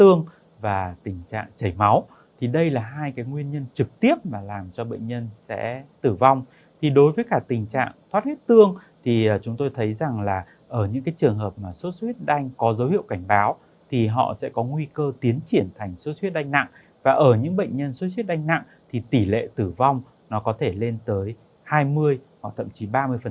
ở những bệnh nhân sốt xuất huyết đánh nặng tỷ lệ tử vong có thể lên tới hai mươi thậm chí ba mươi